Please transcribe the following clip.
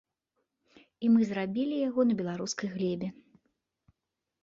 І мы зрабілі яго на беларускай глебе.